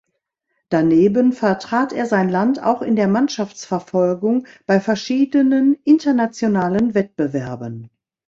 Daneben vertrat er sein Land auch in der Mannschaftsverfolgung bei verschiedenen internationalen Wettbewerben.